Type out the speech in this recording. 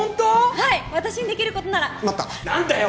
はい私にできることなら待った何だよ！